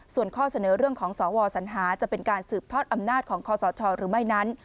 ส่วนข้อเสนอเรื่องของสวสัญหาจะเป็นการสืบทอดอำนาจของคอสชหรือไม่นั้น